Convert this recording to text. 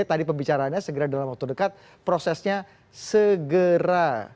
tadi pembicaraannya segera dalam waktu dekat prosesnya segera